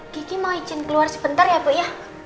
kiki mau izin keluar sebentar ya bu ya